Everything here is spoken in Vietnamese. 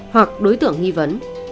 hoặc đối tượng nghi vấn